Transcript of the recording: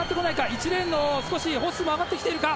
１レーンのホッスーも上がってきているか。